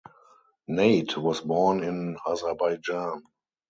Nate was born in Azerbaijan.